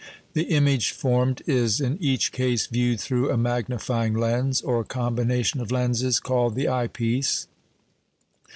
The image formed is in each case viewed through a magnifying lens, or combination of lenses, called the eye piece.